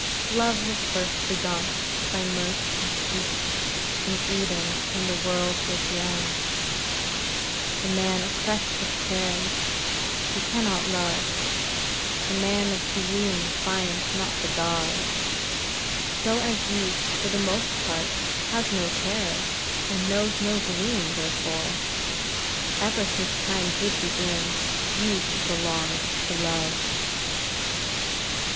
Love was first begot by Mirth and Peace, in Eden, when the world was young. The man oppressed with cares, he can not love; the man of gloom finds not the god. So, as youth, for the most part, has no cares, and knows no gloom, therefore, ever since time did begin, youth belongs to love.